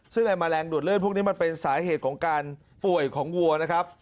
ซึ่งไอ้แมลงดูดเลือดพวกนี้มันเป็นสาเหตุของการป่วยของวัวนะครับ